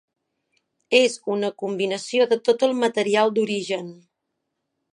És una combinació de tot el material d'origen.